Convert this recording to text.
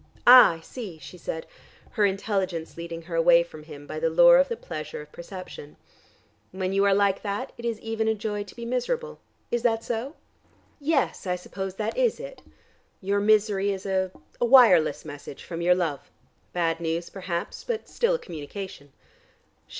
"Ah, I see," she said, her intelligence leading her away from him by the lure of the pleasure of perception. "When you are like that, it is even a joy to be miserable. Is that so?" "Yes, I suppose that is it. Your misery is a a wireless message from your love. Bad news, perhaps, but still a communication."